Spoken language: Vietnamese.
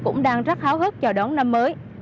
cũng đang rất háo hức chào đón năm mới